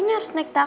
mas tenang aja